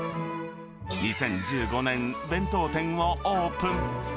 ２０１５年、弁当店をオープン。